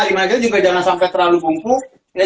dimana dia juga jangan sampai terlalu kumpuh